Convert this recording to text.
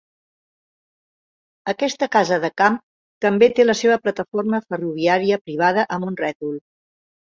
Aquesta casa de camp també té la seva plataforma ferroviària privada amb un rètol.